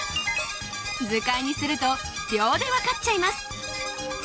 図解にすると秒でわかっちゃいます